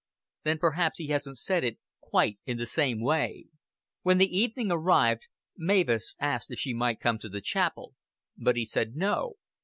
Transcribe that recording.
"Then perhaps he hasn't said it quite in the same way." When the evening arrived Mavis asked if she might come to the chapel, but he said "No."